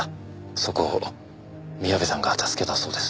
そこを宮部さんが助けたそうです。